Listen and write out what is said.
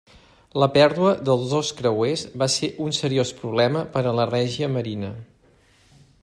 La pèrdua dels dos creuers va ser un seriós problema per a la Regia Marina.